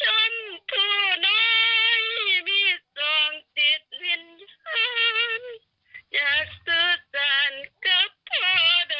ชั้นผู้น้อยมีส่องจิตลิ้นอย่างอยากสื่อสารกับพ่อใด